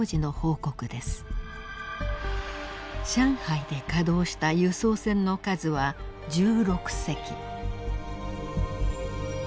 上海で稼働した輸送船の数は１６隻。